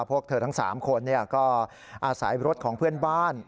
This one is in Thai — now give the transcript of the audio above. พวกเธอทั้ง๓คนก็อาศัยรถของเพื่อนบ้าน